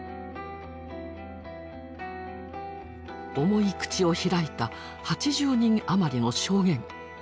重い口を開いた８０人余りの証言。